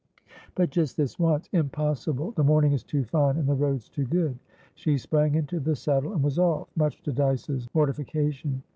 "But just this once" "Impossible! The morning is too fine and the roads too good." She sprang into the saddle, and was offmuch to Dyce's mortification.